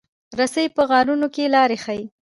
رسۍ په غارونو کې لار ښيي.